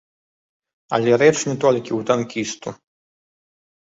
Але рэч не толькі ў танкісту.